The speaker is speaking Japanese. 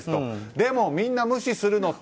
でもみんな無視するのと。